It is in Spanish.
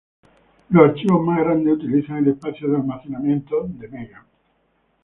Los archivos más grandes utilizan el espacio de almacenamiento de Google Drive.